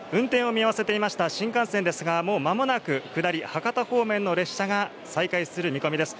運転を見合わせていました新幹線ですが、もう間もなく下り、博多方面の列車が再開する見込みです。